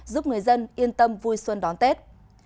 giúp người dân yên tâm vui xuân đón tết